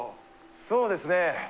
そうですね